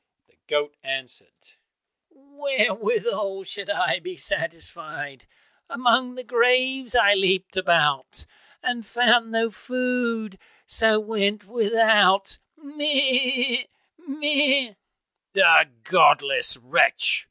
The goat answered, "Wherewithal should I be satisfied? Among the graves I leapt about, And found no food, so went without, meh! meh!" "The godless wretch!"